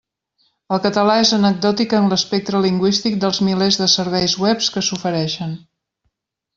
El català és anecdòtic en l'espectre lingüístic dels milers de serveis webs que s'ofereixen.